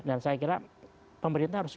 dan saya kira pemerintah harus